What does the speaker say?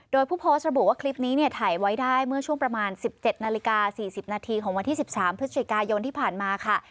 โดยผู้โพสต์ระบุว่าคลิปนี้เนี่ยถ่ายไว้ได้เมื่อช่วงประมาณ๑๗นาฬิกา๔๐นาทีของวันที่๑๓พฤศจิกายนที่ผ่านมาค่ะ